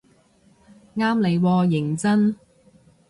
啱你喎認真